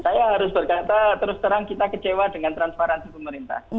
saya harus berkata terus terang kita kecewa dengan transparansi pemerintah